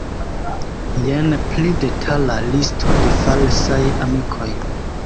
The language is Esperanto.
Jen pli detala listo de falsaj amikoj.